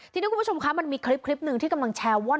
ทีนี้คุณผู้ชมคะมันมีคลิปหนึ่งที่กำลังแชร์ว่า